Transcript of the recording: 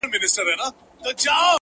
نن مي بيا ټوله شپه،